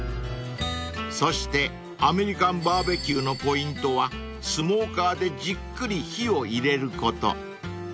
［そしてアメリカンバーベキューのポイントはスモーカーでじっくり火を入れること］